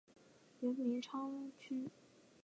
原名昌枢。